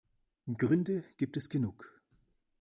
Gründe gibt es genug.